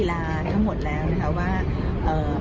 เพราะแม้วันนี้นะครับจะประกาศยุติบทบาทแต่ทุกสิ่งต้องดำเนินไปข้างหน้าครับ